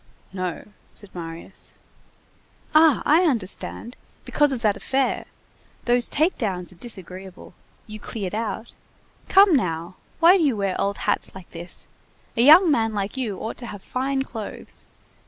"No," said Marius. "Ah! I understand. Because of that affair. Those take downs are disagreeable. You cleared out. Come now! Why do you wear old hats like this! A young man like you ought to have fine clothes.